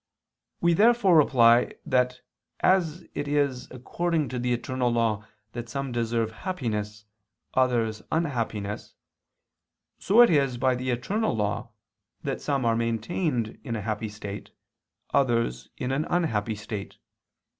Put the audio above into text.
We therefore reply that as it is according to the eternal law that some deserve happiness, others unhappiness, so is it by the eternal law that some are maintained in a happy state, others in an unhappy state.